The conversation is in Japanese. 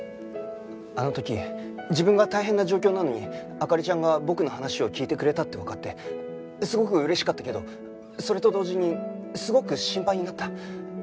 あの時自分が大変な状況なのに灯ちゃんが僕の話を聞いてくれたってわかってすごく嬉しかったけどそれと同時にすごく心配になった。